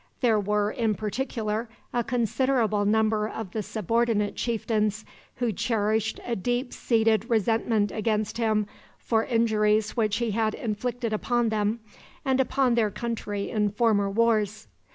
There were, in particular, a considerable number of the subordinate chieftains who cherished a deep seated resentment against him for injuries which he had inflicted upon them and upon their country in former wars.